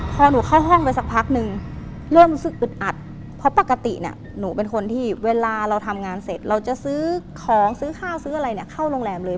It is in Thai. พอหนูเข้าห้องไปสักพักนึงเริ่มรู้สึกอึดอัดเพราะปกติเนี่ยหนูเป็นคนที่เวลาเราทำงานเสร็จเราจะซื้อของซื้อข้าวซื้ออะไรเนี่ยเข้าโรงแรมเลย